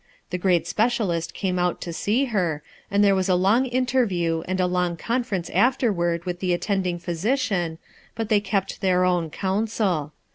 The great specialist came out to see he and there was a long interview, and a long con! ference afterward with the attending physici^ but they kept their own counsel.